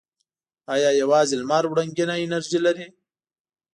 آیا یوازې لمر وړنګینه انرژي لري؟